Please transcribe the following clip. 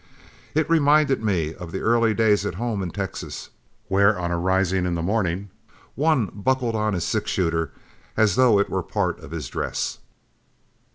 It reminded me of the early days at home in Texas, where, on arising in the morning, one buckled on his six shooter as though it were part of his dress.